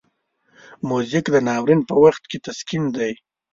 موزیک د ناورین په وخت کې تسکین دی.